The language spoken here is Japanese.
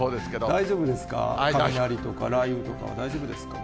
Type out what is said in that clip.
大丈夫ですか、雷とか雷雨とか、大丈夫ですかね？